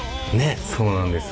そうなんです。